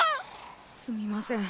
すみません。